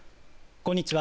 こんにちは。